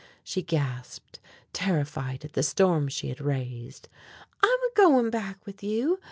she gasped, terrified at the storm she had raised. "I'm a goin' back with you.